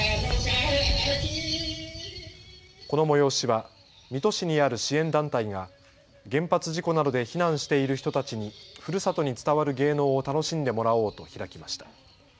この催しは水戸市にある支援団体が原発事故などで避難している人たちにふるさとに伝わる芸能を楽しんでもらおうと開きました。